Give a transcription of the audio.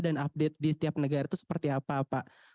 dan update di tiap negara itu seperti apa pak